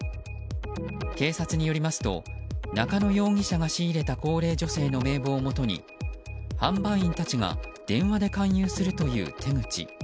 警察によりますと中野容疑者が仕入れた高齢女性の名簿をもとに販売員たちが電話で勧誘するという手口。